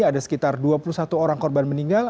ada sekitar dua puluh satu orang korban meninggal